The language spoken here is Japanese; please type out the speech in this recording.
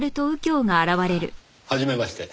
はじめまして。